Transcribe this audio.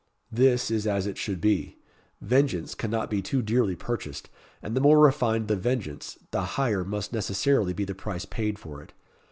This is as it should be. Vengeance cannot be too dearly purchased, and the more refined the vengeance, the higher must necessarily be the price paid for it.